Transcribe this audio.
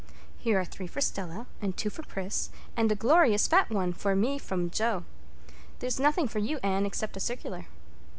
"Here are three for Stella, and two for Pris, and a glorious fat one for me from Jo. There's nothing for you, Anne, except a circular."